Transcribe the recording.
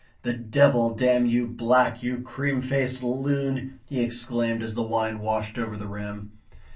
"The devil damn you black, you cream faced loon!" he exclaimed as the wine washed over the rim.